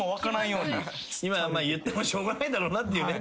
言ってもしょうがないだろうなっていうね